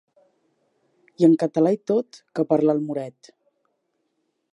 I en català i tot, que parla el moret!